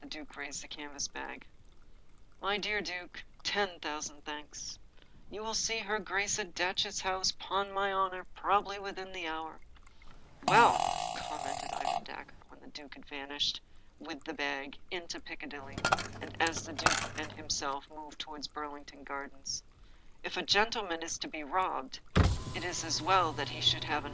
The duke raised the canvas bag. "My dear duke, ten thousand thanks! You shall see her grace at Datchet House, 'pon my honor, probably within the hour." " Well," commented Ivor Dacre, when the stranger had vanished, with the bag, into Piccadilly, and as the duke and himself moved toward Burlington Gardens, " if a gen tleman is to be robbed, it is as well that he should have